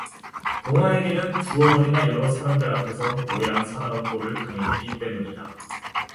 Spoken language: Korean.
동화에게는 두 어번이나 여러 사람들 앞에서 모양 사나운 꼴을 당했기 때문이다.